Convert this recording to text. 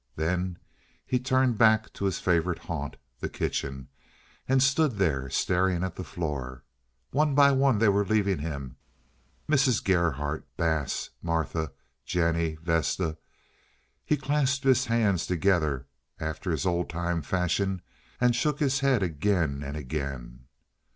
Then he turned back to his favorite haunt, the kitchen, and stood there staring at the floor. One by one they were leaving him—Mrs. Gerhardt, Bass, Martha, Jennie, Vesta. He clasped his hands together, after his old time fashion, and shook his head again and again.